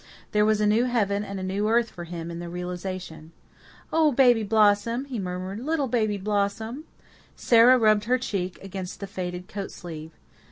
There was a new heaven and a new earth for him in the realization. "Oh, Baby Blossom!" he murmured, "Little Baby Blossom!" Sara rubbed her cheek against the faded coat sleeve.